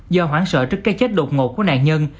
do hoảng sợ trước cái chết đột ngột của nạn nhân